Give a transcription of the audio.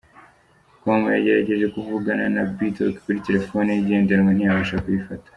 com yagerageje kuvugana na Bitok kuri terefone ye igendanwa ntiyabasha kuyifata.